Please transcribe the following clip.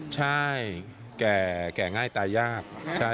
ใช่แก่ง่ายตายาก